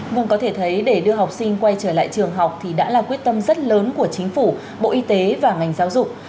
vâng có thể thấy để đưa học sinh quay trở lại trường học thì đã là quyết tâm rất lớn của chính phủ bộ y tế và ngành giáo dục